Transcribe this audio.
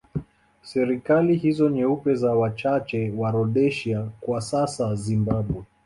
Serikali hizo nyeupe za wachache wa Rhodesia kwa sasa Zimbabwe